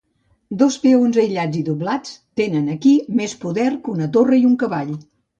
Dos peons aïllats i doblats tenen aquí més poder que una torre i un cavall.